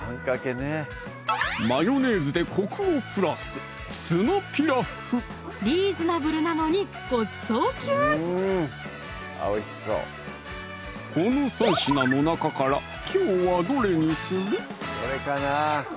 マヨネーズでコクをプラスリーズナブルなのにごちそう級この３品の中からきょうはどれにする？